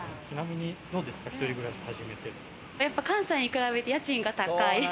関西に比べて家賃が高い。